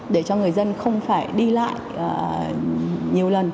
để cho người dân không phải đi lại nhiều lần